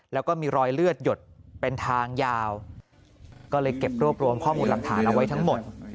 แล้วก็มีรอยเลือดหยดเป็นทางยาวก็เลยเก็บรวบรวมข้อมูลหลักฐานเอาไว้ทั้งหมด